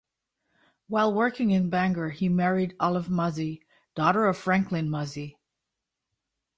While working in Bangor he married Olive Muzzy, daughter of Franklin Muzzy.